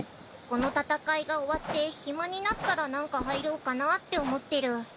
この戦いが終わって暇になったらなんか入ろうかなって思ってる。